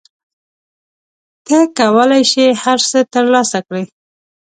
ته کولای شې هر څه ترلاسه کړې.